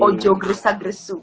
jadi ojo gersa gersu